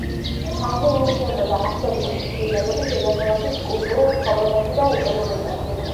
აღინიშნებოდა არსებითი ცვლილებები დედაქალაქის კულტურულ ცხოვრებაში და ეკონომიკაში.